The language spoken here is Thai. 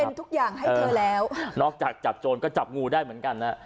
เป็นทุกอย่างให้เธอแล้วนอกจากจับโจรก็จับงูได้เหมือนกันนะ